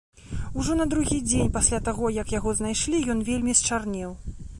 Ужо на другі дзень пасля таго, як яго знайшлі, ён вельмі счарнеў.